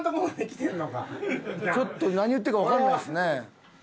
ちょっと何言ってるかわからないですね。